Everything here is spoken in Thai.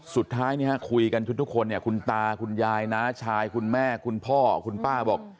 สุดท้ายคุยกันทุกคนเนี่ยคุณตาคุณยายน้าชายคุณแม่คุณพ่อคุณป้าบอก